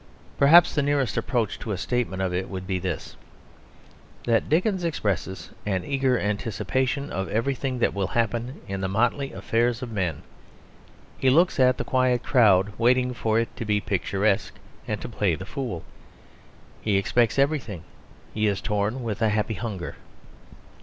Perhaps the nearest approach to a statement of it would be this: that Dickens expresses an eager anticipation of everything that will happen in the motley affairs of men; he looks at the quiet crowd waiting for it to be picturesque and to play the fool; he expects everything; he is torn with a happy hunger.